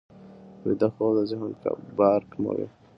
ویده خوب د ذهن بار کموي